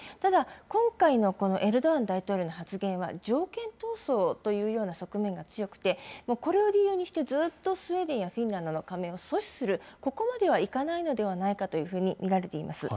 ただ今回のこのエルドアン大統領の発言は条件闘争というような側面が強くて、これを理由にして、ずっとスウェーデンやフィンランドの加盟を阻止する、ここまではいかないのではないかというふうに見られています。